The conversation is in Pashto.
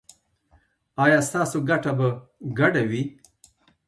ایا ستاسو ګټه به ګډه وي؟